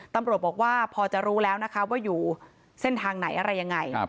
ตำรวจบอกว่าพอจะรู้แล้วนะคะว่าอยู่เส้นทางไหนอะไรยังไง